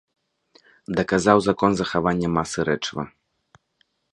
Даказаў закон захавання масы рэчыва.